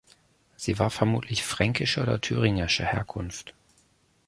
Sie war vermutlich fränkischer oder thüringischer Herkunft.